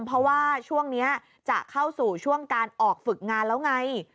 เพราะว่าช่วงนี้จะเข้าสู่ช่วงการออกฝึกงานแล้วไง